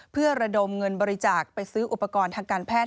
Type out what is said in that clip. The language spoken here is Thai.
เพื่อระดมเงินบริจาคไปซื้ออุปกรณ์ทางการแพทย์